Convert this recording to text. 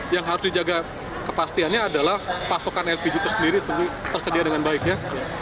yang harus dijaga kepastiannya adalah pasokan lpg tersendiri tersedia dengan baik ya